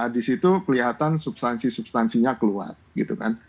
di situ kelihatan substansi substansinya keluar gitu kan